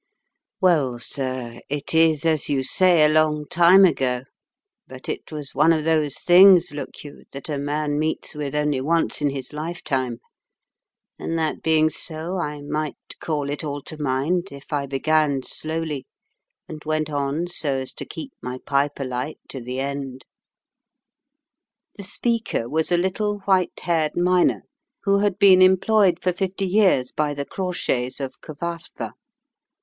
"Well, sir, it is, as you say, a long time ago, but it was one of those things, look you, that a man meets with only once in his lifetime; and that being so, I might call it all to mind if I began slowly, and went on so as to keep my pipe alight to the end." The speaker was a little, white haired miner, who had been employed for fifty years by the Crawshays, of Cyfarthfa.